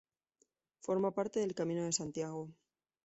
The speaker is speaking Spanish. Forma parte del Camino de Santiago.